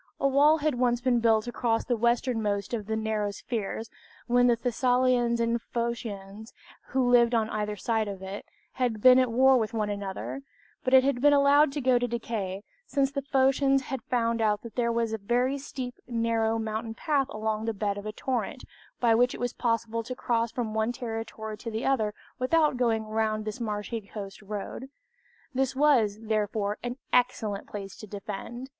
A wall had once been built across the westernmost of these narrow places, when the Thessalians and Phocians, who lived on either side of it, had been at war with one another; but it had been allowed to go to decay, since the Phocians had found out that there was a very steep narrow mountain path along the bed of a torrent, by which it was possible to cross from one territory to the other without going round this marshy coast road. This was, therefore, an excellent place to defend.